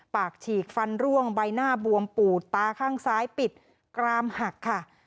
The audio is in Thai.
ฉีกฟันร่วงใบหน้าบวมปูดตาข้างซ้ายปิดกรามหักค่ะ